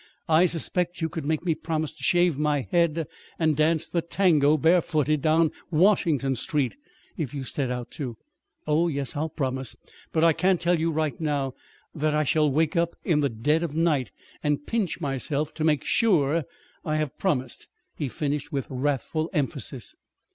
"I suspect you could make me promise to shave my head and dance the tango barefooted down Washington Street, if you set out to. Oh, yes, I'll promise. But I can tell you right now that I shall wake up in the dead of night and pinch myself to make sure I have promised," he finished with wrathful emphasis.